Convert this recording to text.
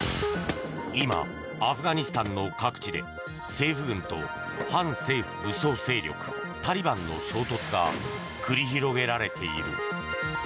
今、アフガニスタンの各地で政府軍と反政府武装勢力タリバンの衝突が繰り広げられている。